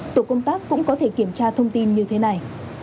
tổ công tác cũng có thể kiểm tra thông tin như thế này